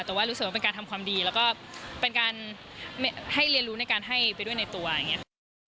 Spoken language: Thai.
แต่ว่ารู้สึกว่าเป็นการทำความดีแล้วก็เป็นการให้เรียนรู้ในการให้ไปด้วยในตัวอย่างนี้ค่ะ